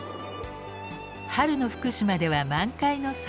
春の福島では満開の桜。